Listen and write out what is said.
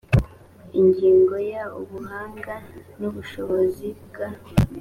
ingingo ya ubuhanga n ubushobozi bwa